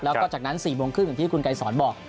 แล้วก็จากนั้น๔โมงครึ่งอย่างที่คุณไกรสอนบอก